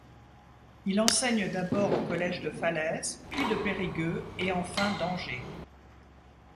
Il enseigne d'abord au collège de Falaise, puis de Périgueux et enfin d'Angers.